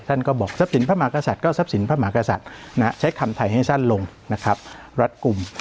ท่านก็บอกทรัพย์สินพระมหากษัตริย์ก็ทรัพย์สินพระมหากษัตริย์ใช้คำไทยให้สั้นลงนะครับรัดกลุ่ม